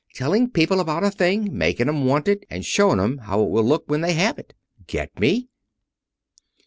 Telling people about a thing, making 'em want it, and showing 'em how it will look when they have it. Get me?"